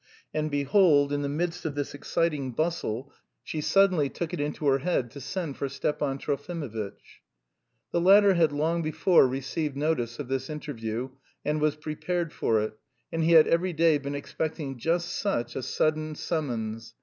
And, behold, in the midst of this exciting bustle she suddenly took it into her head to send for Stepan Trofimovitch. The latter had long before received notice of this interview and was prepared for it, and he had every day been expecting just such a sudden summons.